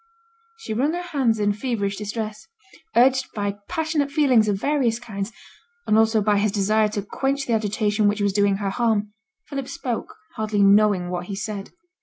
She wrung her hands in feverish distress. Urged by passionate feelings of various kinds, and also by his desire to quench the agitation which was doing her harm, Philip spoke, hardly knowing what he said.